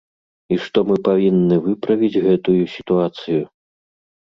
І што мы павінны выправіць гэтую сітуацыю.